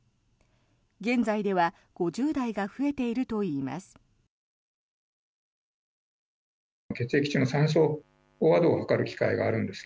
現在では５０代が増えているといいます。